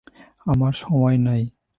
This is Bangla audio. আমার সময় নাই।